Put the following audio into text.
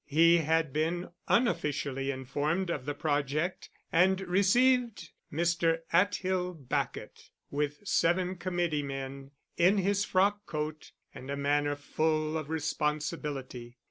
He had been unofficially informed of the project, and received Mr. Atthill Bacot with seven committee men, in his frock coat and a manner full of responsibility.